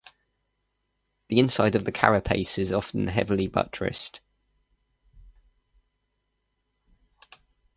The inside of the carapace is often heavily buttressed.